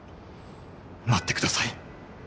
待ってください